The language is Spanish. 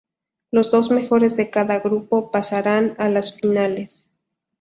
Los dos mejores de cada grupo pasaran a las finales.